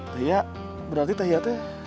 tehia berarti tehia teh